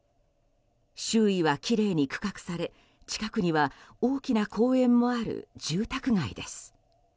周囲はきれいに区画され近くには大きな公園もある住宅街です。